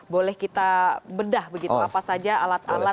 boleh kita bedah begitu apa saja alat alat